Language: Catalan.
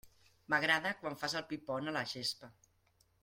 M'agrada quan fas el pi pont a la gespa.